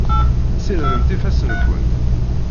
Sirdemt ifassen-nkent.